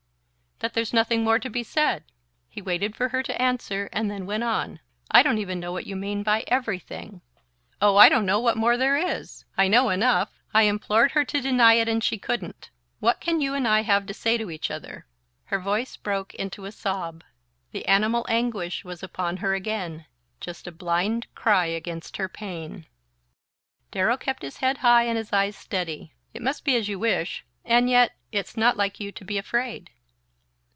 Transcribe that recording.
"That there's nothing more to be said?" He waited for her to answer, and then went on: "I don't even know what you mean by 'everything'." "Oh, I don't know what more there is! I know enough. I implored her to deny it, and she couldn't...What can you and I have to say to each other?" Her voice broke into a sob. The animal anguish was upon her again just a blind cry against her pain! Darrow kept his head high and his eyes steady. "It must be as you wish; and yet it's not like you to be afraid."